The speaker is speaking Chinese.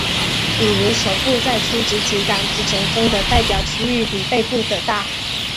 比如手部在初级体感皮层中的代表区域比背部的大。